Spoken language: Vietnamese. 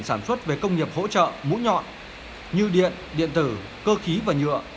sản xuất về công nghiệp hỗ trợ mũi nhọn như điện điện tử cơ khí và nhựa